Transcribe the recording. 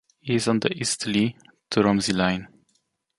It is on the Eastleigh to Romsey Line.